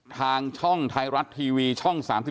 ทางช่องไทยรัฐทีวีช่อง๓๒